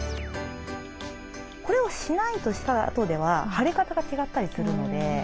これをしないとしたあとでは腫れ方が違ったりするので。